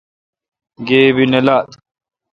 گیب نہ لات۔